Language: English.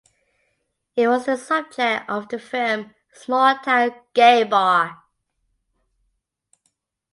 It was the subject of the film "Small Town Gay Bar".